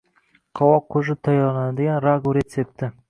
Qovoq qo‘shib tayyorlanadigan ragu retsepti